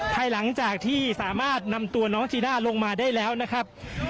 ภายหลังจากที่สามารถนำตัวน้องจีน่าลงมาได้แล้วนะครับ